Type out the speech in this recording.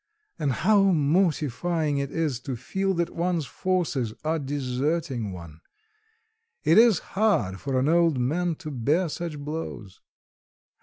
And how mortifying it is to feel that one's forces are deserting one! It is hard for an old man to bear such blows!...